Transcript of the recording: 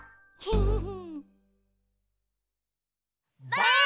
ばあっ！